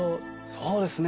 そうですね。